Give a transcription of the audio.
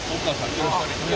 よろしくお願いします。